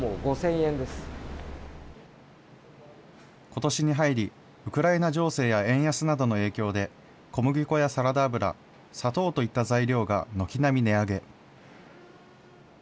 ことしに入り、ウクライナ情勢や円安などの影響で、小麦粉やサラダ油、砂糖といった材料が軒並み値上げ。